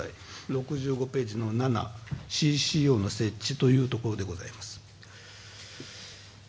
６５ページの７ＣＣＯの設置というところでございます。